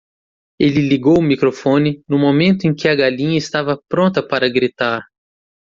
Ele ligou o microfone no momento em que a galinha estava pronta para gritar.